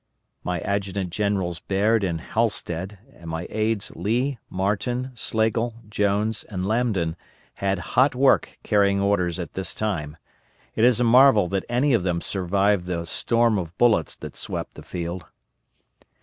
My Adjutant Generals Baird and Halstead, and my aides Lee, Marten, Slagle, Jones, and Lambdin had hot work carrying orders at this time. It is a marvel that any of them survived the storm of bullets that swept the field.